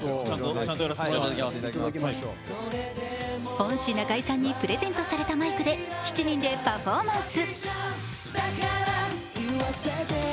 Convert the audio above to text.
恩師・中居さんにプレゼントされたマイクで７人でパフォーマンス。